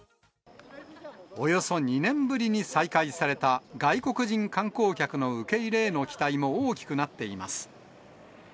およそ２年ぶりに再開された外国人観光客の受け入れへの期待も大きくなっています。